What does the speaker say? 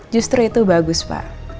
justru itu bagus pak